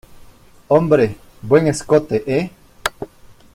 hombre. buen escote, ¿ eh?